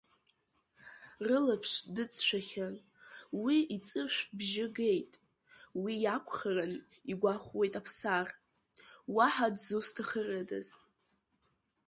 Рылаԥш дыҵшәахьан, уи иҵыршә бжьы геит, уи иакәхарын игәахәуеит Аԥсар, уаҳа дзусҭахарыдаз.